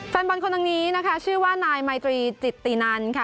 แฟนบอลคนทางนี้นะคะชื่อว่านายมายตรีจิตตินันค่ะ